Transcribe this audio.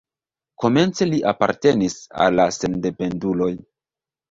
Komence li apartenis al la sendependuloj.